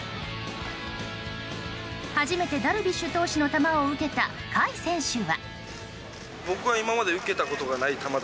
初めてダルビッシュ選手の球を受けた、甲斐選手は。